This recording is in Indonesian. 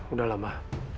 udah lah ma